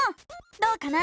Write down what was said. どうかな？